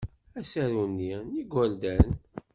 Asaru-nni n yigerdan.